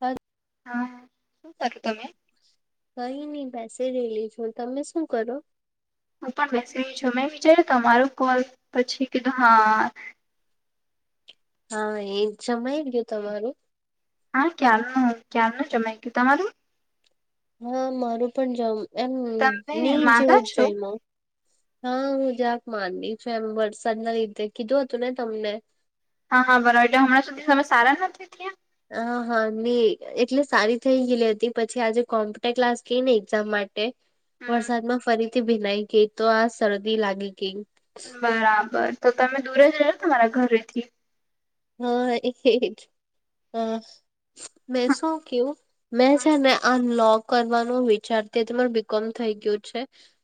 હદ હા કઈ નઈ પૈસે લઈ લેજું તમે શું કરો હું પણ બેસી રહી છું મેં વિચાર્યું તમારું કોલ પછી કીધું હા હા એ જમાઈ ગયો તમારું હા ક્યારનું ક્યારનું જમાઈ ગયું તમારું હા મારું પણ જ એમ તમે નહી માંદા જવું જ છો જઈ હા હું જાગવાની છું એમ વરસાદના લીધે તમને કીધું હતું ને તમને હા હા હમણાં સુધી તમે સારા નથી ત્યાં હા હા મી એટલે સારી થઇ ગયેલી હતી પછી આજે કોમ્પ્યુટર ક્લાસ ગઈને એક્ઝામ માટે તે હમ વરસાદમાં ફરીથી ભીનાઈ ગઈ તો આ શરદી લાગી ગઈ બરાબર તો તમે દૂરે જ ને તમારા ઘરેથી હા એજ હ મે શો ક્યું મે છેને અનલોક કરવાનો વિચારતી હતી પણ બીકોમ થઈ ગયું છે.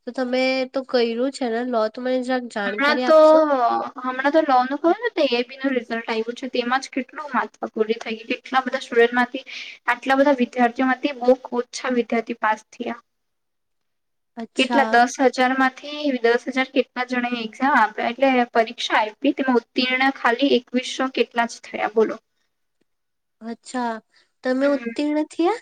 તો તમે તો કર્યું છે ને લો તો મને જગ હા તો અ હમણાં તો લો નું કહું ને તો એઆઈબીનું રિઝલ્ટ આવ્યું છે તેમાં જ કેટલું મહત્વ પૂરી થઈ ગેલી. આટલા બધા સ્ટુડનમાંથી આટલા બધા વિદ્યાર્થીઓમાંથી બહુ ઓછા વિદ્યાર્થી પાસ થયા. કેટલા અચ્છા દસ હજારમાંથી દસ હજાર કે એટલા જ જણે એક્ઝામ આપ્યા એટલે પરીક્ષા આયપી તેમાં ઉત્તીર્ણ ખાલી એકવીસો કે એટલા જ થયા બોલો. અચ્છા. તમે હમ ઉત્તીર્ણ થયા?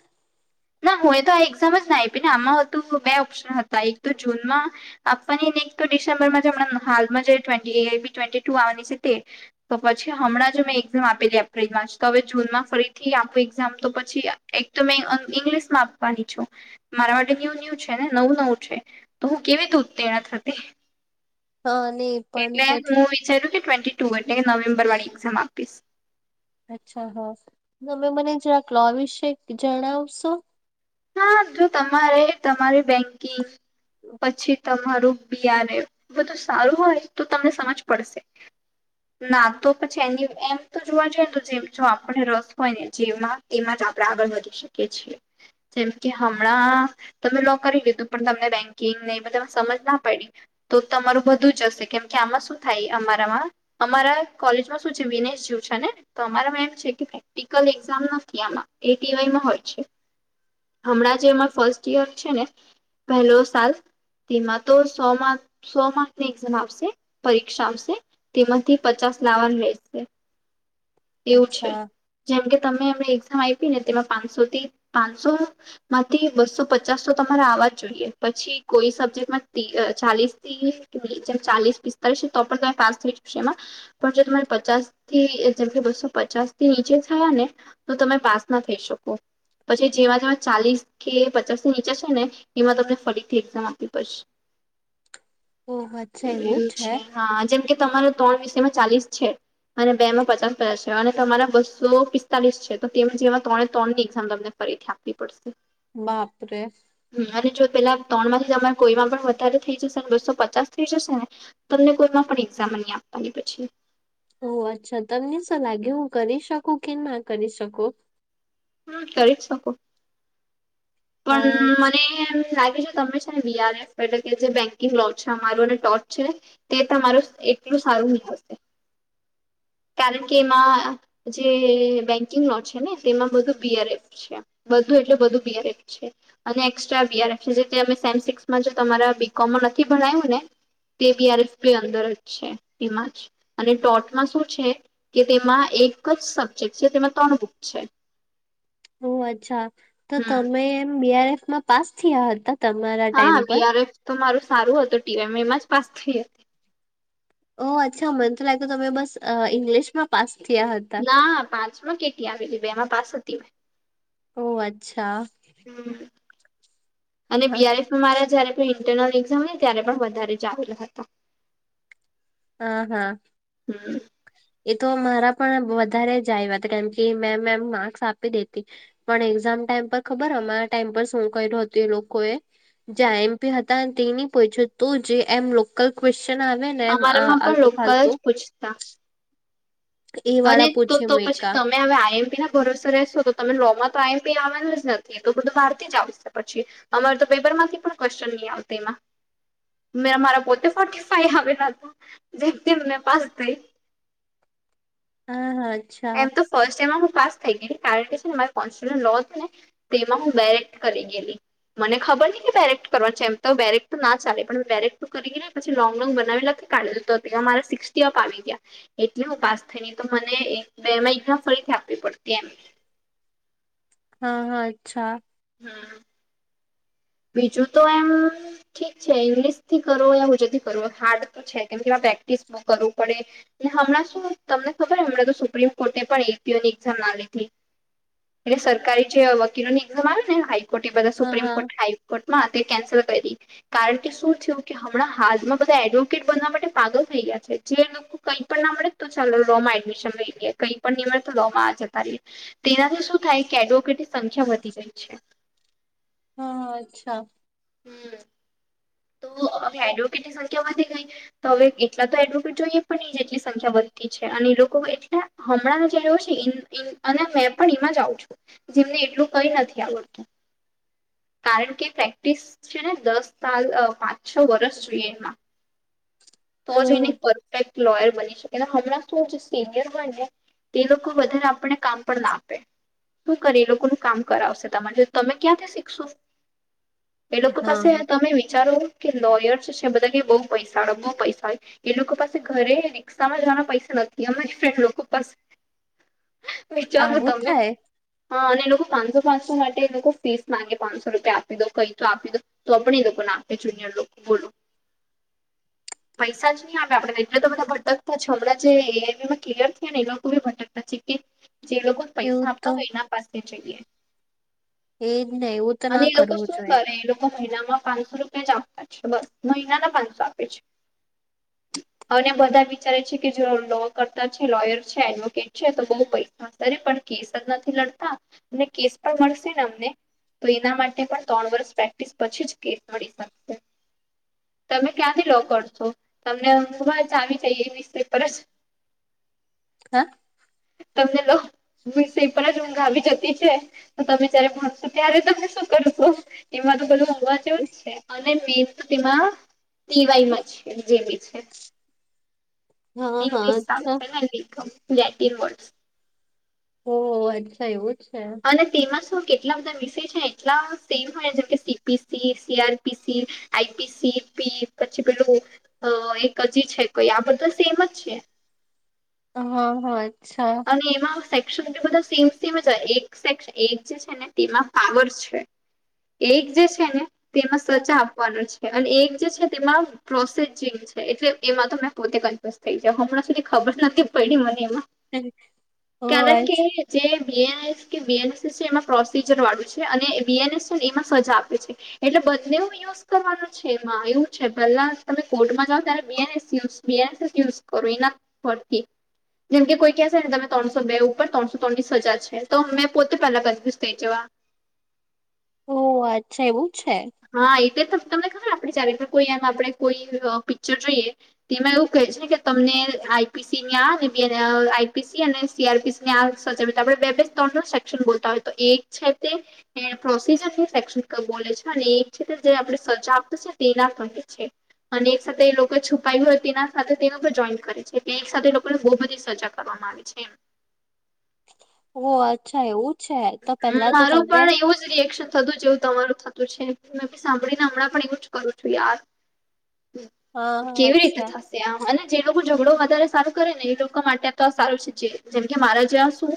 ના હું એ તો આ એક્ઝામ જ ના આયપી ને આમાં હોતું બે ઓપ્શન હતા એક તો જૂનમાં આપવાની ને એક તો ડિસેમ્બરમાં જ હમણાં હાલમાં જે twenty A I B twenty two આવવાની છે તે તો પછી હમણાં જ મેં એક્ઝામ આપીતી એપ્રિલમાં જ તો હવે જૂનમાં ફરીથી આપું એક્ઝામ તો પછી એક તો મેં અ ઇંગ્લિશમાં આપવાની છું. મારા માટે ન્યૂ ન્યુ છે ને નવું નવું છે. તો હું કેવી રીતે ઉત્તીર્ણ થતી. હ નહી પણ એટલે છે હું વિચારુ કે ટ્વેન્ટી ટુ એટલે કે નવેમ્બર વાળી એક્ઝામ આપ અચ્છા હહ. તમે મને જરાક લો વિશે જણાવશો? હા જો તમારે તમારી બેંકિંગ પછી તમ તમારું બીઆરએ બધું સારું હોય તો તમને સમજ પડશે. ના તો પછી એની એમ તો જોવા જઈએ તો જેમ જો આપણને રસ હોય ને જેમાં એમાં જ આપણેે આગળ વધી. શકે છે. જેમ કે હમણાં તમે લો કરી લીધું પણ તમને બેન્કિંગ ને એ બધામાં સમજ ના પડી. તો તમારું બધું જશે કેમ કે આમાં શું થાય અમારામાં અમારા કોલેજમાં શું છે વિનેશ જુ છે ને તો અમારામાં એમ છે કે ક્ટિકલ એક્ઝામ નથી આમાં એ ટીવાયમાં હોય છે. હમણાં જે એમાં ફર્સ્ટ યર છે ને પહેલો સાલ તેમાં તો સોમાં સો માર્કની એક્ઝામ આવશે, પરીક્ષા આવશે. તેમાંથી પચાસ લાવાનું રેશે. એવું છે. અચ્છા જેમ કે તમે હમણાં એક્ઝામ આપી ને તેમાં પાંચસો થી પાંચસો માંથી બસો પચાસ તો તમારે આવવા જ જોઈએ. પછી કોઈ સબ્જેક્ટમાં તી અ ચાલીસથી જેમ ચાલીસ પિસ્તાલીસ તો પણ તમે પાસ થઈ શકશો એમાં પણ જો તમારે પચાસથી જેકે બસો પચાસ થી નીચે થયા ને તો તમે પાસ ના થઈ શકો પછી જેમાં જેમાં ચાલીસ કે પચાસ ની નીચે છે ને એમાં તમને ફરીથી એક્ઝામ આપવી પડશે [inaudible] ઓહ અચ્છા એવું છે છા. હા, જેમ કે તમારો તણ વિષયમાં ચાલીસ છે અને બેમાં પચાસ થયા છે અને તમારા બસો પિસ્તાલીસ છે તો તેમ જેમાં ત્રણે ત્રણની એક્ઝામ તમને ફરીથી આપ આપવી પડશે. બાપ રે! હમ અને જો પેલા ત્રણમાંથી તમે કોઈમાં પણ વધારે થઈ જશેને બસો પચાસ થઈ જશે ને તમને કોઈમાં પણ એક્ઝામા ની આપવાની પછી. ઓહ! અચ્છા. તમને શું લાગે હું કરી શકું કે ના કરી સકો? હમ્મ, કરી જ શકો. પન હા મને એમ લાગે છે તમે વીઆર એફ એટલે કે જે બેંકિંગ લો છા અમારું ને ટોચ છે. તે તમારું એટલું સારું ની હોસે. કારણ કે એમાં જે બેંકિંગ લો છે ને તેમાં બધું બીઅઆરએફ છે બધું એટલે બધું બીઆરએફ. છે અને એક્સ્ટ્રા બીઆરએફ જે તેમ સેમ સીક્સમાં જે તમારા બીકોમમાં નથી ભણાયવુ ને તે બીઆરફ પી અંદર જ છે તેમાં જ. અને ટોટમાં શું છે કે તેમાં એક જ સબ્જેક્ટ છે તેમાં તણ બુક છે. ઓ અચ્છા! તો હમ તમે એમ બીઆરએફમાં પાસ થીયા હતા? તમારા ટાઈમ હા પર બીઆર એફ તો મારું સારું હતું, ટીવીમાં એમાં જ પાસ થઈ હતી. ઓ અચ્છા! મને તો લાગ્યુ તમે બસ અ ઈંગ્લિશમાં પાસ થીયા હતા. ના પાંચમાં કેટી આવેલી બેમાં પાસ હતી મે. ઓહ અચ્છા! મ્મ અને હા બીઆરએફમાં મારા જયારે ઇન્ટરનલ એક્ઝામ ન ત્યારે પણ વધારે ચ આવેલા હતા. હા હા હમ એ તો મારા પણ વધારે જ આયવા હતા કેમ કે મે એમ માર્ક્સ આપી દેતી. પણ એક્ઝામ ટાઈમ પર ખબર અમારા ટાઈમ પર શું કયરુ તું એ લોકોએ જે આઇએમપી હતા તેની પૂયછૂ તું જે એમ લોકલ ક્વેશ્ચન આવે ને એમ આ અમારામાં પણ લોકલ આલતું-ફાલતુ જ પૂછતા એ અને વાળા તો પૂછે તો પછી મેકા તમે હવે આઈએમપી ના ભરોસા રહેશો તો તમે લોમાં તો આઈએમપી આવેલ જ નથી તો બધું બાર થી જ આવશે પછી અમાર તો પેપર માંથી પણ ક્વેશ્ચન નઈ આવતા એમાં. મે મારા પોતે ફોર્ટી ફાઈ આવેલા હતા, જેમ તેમ મેં પાસ થઈ. હા હા અચ્છા એમ તો ફર્સ્ટ એમમાં હું પાસ થઈ ગઈ કારણ કે છેને મારે કોસ્ટ્યુશન લો તુ ને તેમાં હું બેરેક્ટ કરી ગેલી. મને ખબર ની કે બેરેક્ટ કરવાનું છે એમ તો બેરેક્ટ ના ચાલે પણ મે બેરેક્ટ તો કરીને પછી લોંગ લોંગ બનાવી લખે. કાઢી દ મારા સિક્ટી અપ આવી ગીયા એટલે હું પાસ થઈ ન તો મને બે મહિ ફરીથી આપવી પડતી એમ. હા હા અચ્છા. હમ બીજું તો એમ ઠીક છે ઇંગ્લિશ થી કરો યા હોજુ થી કરો હાર્ડ તો છે, કેમ કે પ્રેક્ટિસ કરવું પડે. હમણાં શું તમને ખબર? હમણા તો સુપ્રીમ કોર્ટે પણ એક યરની એકઝામ ના લીધી. એલે સરકારી જે વકીલો ની એક્ઝામ આવે ને હાઈકોર્ટ એ બધા હા સુપ્રીમ હા કોર્ટ હ કોર્ટમાં તે કેન્સલ કયરી. કારણ કે, શું થીયું કે હમણાં હાલમાં બધા એડવોકેટ બનવા માટે પાગલ થઈ ગયા છે. જે કઈ પણ ના મળે તો ચાલો લો માં એડમિશન લઈ લઈ, કઈ પણ નહી મળે તો લો માં જતા રહીએ. તેનાથી શું થાય કે એડવોકેટની સંખ્યા વધી ગઈ છે. હ હ, અચ્છા. હમ્મ તો હવે એડવોકેટ ની સંખ્યા વધે કઈ તો હવે એટલા તો એડવોકેટ પણ નહી એટલી સંખ્યા વધતી છે. અને એ લોકો એટલા હમણાં જે રહ્યો છે ઈન પિન અને મેં પણ એમાં જઉં છું. જેમને એટલું કઈ નથી આવડતું કારણ કે પ્રેક્ટિસ છે ને દસ સાલ પાંચ-છ વરષ જોઈએ એમાં, તો ઓ જ એની પરફેક્ટ લોયર બની શકે. હમંણા તું સિનિયર હોય ને તે લોકો વધારે આપણને કામ પણ ના આપે. તો કરીલો લોકોનું કામ કરાવશે, તા માટે તમે ક્યાંથી શીખશો? એ લોકો હા પાસે હા તમે વિચારો કે લોયર છે બધા કે બઉ પૈસા, બઉ પૈસા હોય. એ લોકો પાસે ઘરે રિક્ષામાં જવાના પૈસા નથી અમારી ફ્રેન્ડ લોકો પાસે વિચારો આવું તમે થાય હા અને એ લોકો પાંચસો પાંસો માટે એ લોકો ફીસ માંગે પાંચસો રૂપિયા આપી દો કઈ તો આપી દો તો આપણે લોકો ના આપે જુનિર લોકો બોલો મૈસાજ નહી આવે આપડને એટલે તો બધા ભટકતા છ. હમણાં જે કલિયર થયા ને એ લોકો બી ભટકતા છે કે જે લોકો પૈસા એવું તો આપતા હોય એના પાસે જઈએ. એજ ને એવું તો અને ના એ લોકો કરવું શું જોઈએ કરે એ લોકો મહિનામાં પાંચસો રૂપ એ જ આપતા છે બસ મહિના ના પાંચસો આપે છે. અને બધા વિચારે છે કે જો લો કરતા છે લોયર છે એડવોકેટ છે તો બઉ પૈસા છે. ત પણ કેસ જ નથી લડતા અને કેસ પણ મળશે ને અમને તો એના માટે પણ ત્રણ વર્ષ પ્રેક્ટિસ પછી જ કે તમે ક્યાંથી લો કર સો તમને [unintelligible] આવી જાયએ એ વિસ્ટ્રી પર જ હ તમને લો વિષય પણ જ ઊંઘ આવી જતી છે. તો તમે જયારે ભણશો ત્યારે તમે શું કર સો એમાં તો બધું ઉઘ વા જેવું છે અને મેન તો એમા - ટીવાય મા છે જેવી છે હા હા ઇંગ્લિશ અચ્છા [unintelligible] [unintelligible] ઓ અચ્છા એવું છે અને તેમાં શું કેટલા બધા વિષય છે એટલા સેમ હોય જેમ કે સીપી સીઆરપીસી આઈપીસી પી પછી પેલું હ એક અજી છે કોઈ આ બધા સેમ જ છે. હા હા અચ્છા. અને એમાં સેક્શન બધા સેમ સેમ જ એક સેક્શન એક જે છે ને તેમાં પાવર છે. એક જે છે ને તેમાં સ્વચા આપવાનો છે. અને એક જે છે તેમાં પ્રોસેજિંગ છે એટલે એમાં તો મેં પોતે કન્ફ્યઝ થઈ જાઉં હમણાં સુધી ખબર નથી પયડી મને એમાં. [inaudible] કારણ કે અચ્છા જે બીએન એસ કે બીએનએસ એસ છે. એમાં પ્રોસીજર વાળું છે અને બીએનએસ છે ને એમાં સજા આપે છે. એટલે બધને યુઝ કરવાનું છે એમાં એવું છે. પેલા તમે કોર્ટમાં જાાવ ત્યારે બેનેયુ બસ યુઝ કરો એના પરથી જેમકે કોઈ ક છે ને તમે ત્રણસો બે ઉપર ત્રણસો ત્રણની સજા છે. તો મેમે પોતે પેલા બીસ થઈ જવા ઓહ અચ્છા એવું છે. હા એ તો તમને ખબર આપે ચારેકર કોઈ આમ આપણે કોઈ પિક્ચર જોઈએ તેમાં એવું કહે છે કે તમને આઈપીસી આ આઈપીસી અને સીઆરપીસી ન્યા સજાવ ત આપ બેબ ધ સેક્શન બતા હો તો એક સાથે પ્રોસીજર છે. શૈક્ષણિક બોલે છે. એક છે જે આપણે સજા આપત છેને તેના કર છે અને એક સાથે એ લોકો છ પ તેના સાથે તે લોકો પણ જોઈન કરે છે એક સાથે લોકોને બહુ બધી સજા કરવામાં આવે છે. ઓ અચ્છા એવું છે તો હ પેલા તો મારું તમે પણ એવું જ રિએક્શન થતું જેવું તમારું થતું છે. મેં બી સાંભળીને હમણાં પણ એવું જ કરું છું યાર. હા હા કેવી રીતે અચ્છા થશે? ત અને જે લોકો ઝઘડો વધારે સારું કરે ને એ લોકો માટે તો આ સારું છે. જે જેમ કે મારા જં શું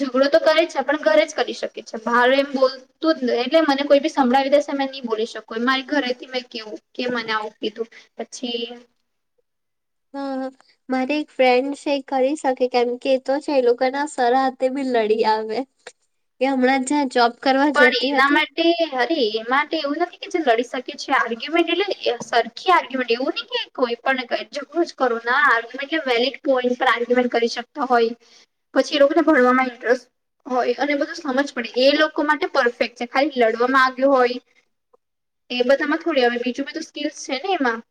ઝઘડો તો કરે છે પણ ઘરે જ કરી શકે છે. બાર એમ બોલ તું એટલે મને કોઈ બી સંભળાવી દેશે મેમે નહી બોલી શકકો. મારી ઘરેથી મેં કેવું કે મને આવું કીધું પછી હમ હ. મારી એક ફ્રેન્ડ છે કરી શકે કેમ કે એ તો છે. એ લોકોના સર હાથે બી લડી આવે. એ હમણાં જ્યાં જોબ કરવા પણડી જતી એના હતી માટે અરે એ માટે એવું નથી કે જે લડી શકે છે. આર્ગ્યુમેન્ટ એટલે સરખી આર્ગ્યુમેન્ટ એવું નહી કે કોઈ પણ કરો ના આર્ગ્યુમેન્ટ કે વેલડ પોઈન્ટ પર આર્ગ્યુમેન્ટ કરી શકતા હોય [inaudible] પછી એ લોકોને ભણવામાં ઇન્ટરેસ્ટ હોય અને બધું સમજ પડે એ લોકો માટે પરફેક્ટ છે. ખાલી લડવામાં આવ્યો હોય એ બધામાં થોડી આવે બીજું બધું સ્કીલ્સ છે ને એમાં.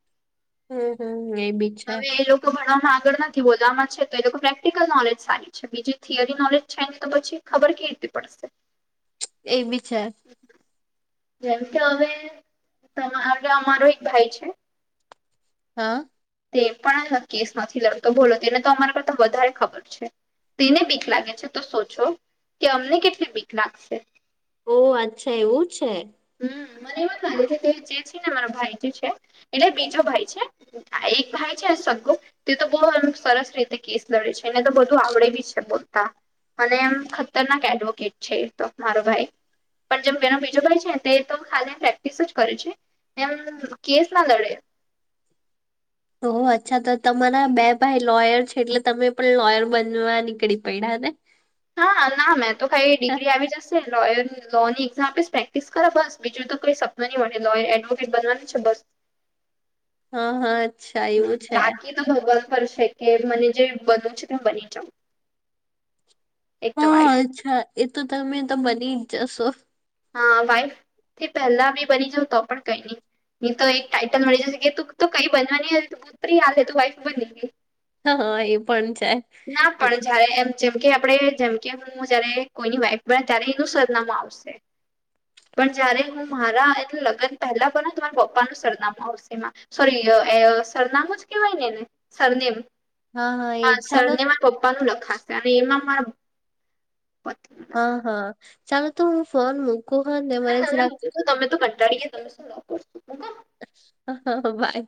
હમ હમ એ બી છે. હવે એ લોકો ભણવામાં આગળ નથી બોલવામાં છે તો એ લોકો પ્રેક્ટિકલ નોલેજ સારી અચ્છા બીજી થથીયરી નોલેજ થાય ને તો પછી ખબર કેવી રીતે પડશે. એ બી છે. જેમ કે હવે તમા અમારો એક ભાઈ છે. હા. તે પણ કેસ નથી લડતો બોલો તેને તો અમારા કરતા વધારે ખબર છે. તેને બીક લાગે છે તો સોચો કે અમને કેટલી બીક લાગશે? ઓહ અચ્છા એવું છે. હમ મને એવ જ લાગે છે કે જે છે ને મારા ભાઈ જે છે એટલે બીજો ભાઈ છે. એક ભાઈ છે સગું તે તો બહુ સરસ રીતે કેસ લડે છે એને તો બધું આવડે બી છે બોલતા પણ એમ ઉતરનાક એડવોકેટ છે તો મારો ભાઈ, પણ જેમ એનો બીજો ભાઈ છે તે તો ખાલી પ્રેક્ટિસ જ કરે છે, એમ કેસ ના લડે. ઓ અચ્છા તો તમારા બે ભાઈ લોયર છે એટલે તમે પણ લોયર બનવા નીકળી પડ્યા ને? [inaudible] હા ના મેં તો કઈ ડિગ્રી આવી જશે લોયર લો ની એક્ઝામ આપીશ પ્રેક્ટિસ કર બસ બીજું તો કોઈ સપનું નહીં મળે લોયર એડવોકેટ બનવાનું છે બસ. હા હા. અચ્છા હ એવું છે બાકી તો ભગવાન પર છે કે મને જે બનું છે તેમ બની જાઉ. એક તો હા વાઇફ. અચ્છા એ તો તમે તો બની જશો. હા વાઈફ થી પહેલા બી બની જાાવ તો પણ કઈ નહી ની તો એક ટટ મળી જ તું તો કઈ બનવાની ત પુતરી હાલ હ તું વાઇફ બની ગઈ. હ હા એ પણ છે. જ્યારે એમ જેમકે આપે જેમકે હું જયારે કોઈની વાઈફ બને ત્યારે એનું સરનામું આવશે. પણ જયારે હું મારા એટલે લગ્ન પહેલા પણ ને મારા પપ્પાનું સરનામું આવશેમાં. સોરી સરનામું જ કેવાય નેને સરનેમ હા સરનેમ પપ્પા નું લખાશે અને એમાં મારા પતિનું હા લખાશે હા ચાલો તો હું ફોન મૂકું હા ને મને જ રાત તો તમે તો કંટાળી ગયા તમે શું લખો છો મૂકો. હ હ હ બાય